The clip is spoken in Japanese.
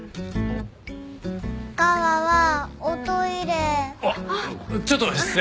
あっちょっと失礼。